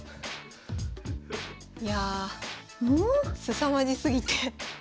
いやすさまじすぎて。